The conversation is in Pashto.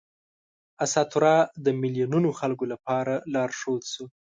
اسطوره د میلیونونو خلکو لپاره لارښود شو.